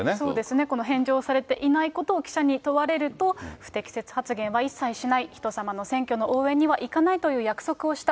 これ、返上されていないことを記者に問われると、不適切発言は一切しない、人様の選挙の応援には行かないという約束をした。